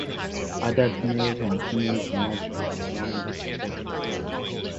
Adult males and females emerge from the ground in the autumn.